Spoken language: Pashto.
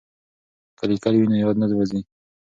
که لیکل وي نو یاد نه وځي.